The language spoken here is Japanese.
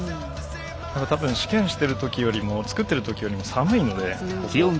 だから多分試験してる時よりも作ってる時よりも寒いのでここ。